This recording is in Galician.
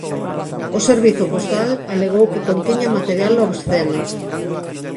O Servizo Postal alegou que contiña material obsceno.